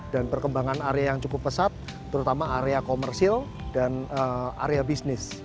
dan perkembangan area yang cukup pesat terutama area komersil dan area bisnis